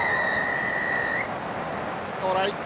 トライ。